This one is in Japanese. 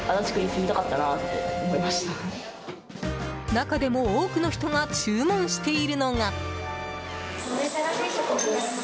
中でも多くの人が注文しているのが。